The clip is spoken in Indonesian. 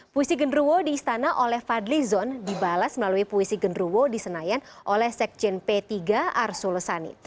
puisi genruwo di istana oleh fadli zon dibalas melalui puisi genruwo di senayan oleh sekjen p tiga arsul lesani